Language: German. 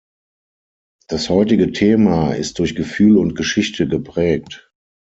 Das heutige Thema ist durch Gefühl und Geschichte geprägt.